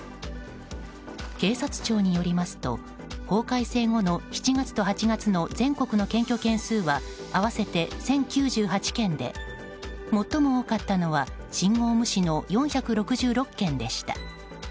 警察庁によりますと法改正後の７月と８月の全国の検挙件数は合わせて１０９８件で最も多かったのは信号無視の４６６件でした。